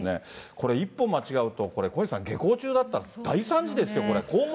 これ、一歩間違うと、これ、小西さん、下校中だったら大惨事ですよ、これ。